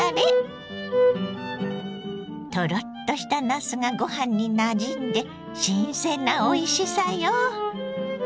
トロッとしたなすがご飯になじんで新鮮なおいしさよ。